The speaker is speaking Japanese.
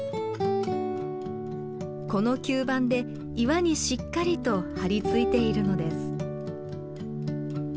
この吸盤で岩にしっかりと張り付いているのです。